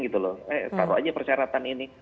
gitu loh eh taruh aja persyaratan ini